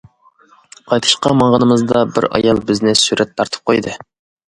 قايتىشقا ماڭغىنىمىزدا بىر ئايال بىزنى سۈرەت تارتىپ قويدى.